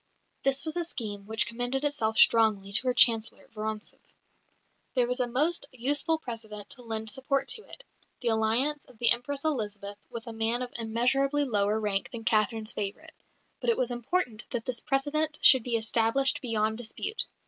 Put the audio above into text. This was a scheme which commended itself strongly to her Chancellor, Vorontsov. There was a most useful precedent to lend support to it the alliance of the Empress Elizabeth with a man of immeasurably lower rank than Catherine's favourite; but it was important that this precedent should be established beyond dispute.